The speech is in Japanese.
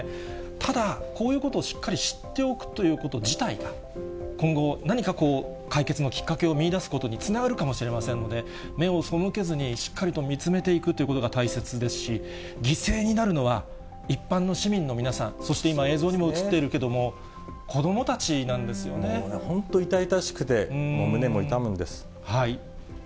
ただ、こういうことをしっかり知っておくということ自体が、今後、何かこう、解決のきっかけを見いだすことにつながるかもしれませんので、目を背けずに、しっかりと見つめていくっていうことが大切ですし、犠牲になるのは一般の市民の皆さん、そして今、映像にも映っているけれども、本当、痛々しくて、もう胸も痛むんです。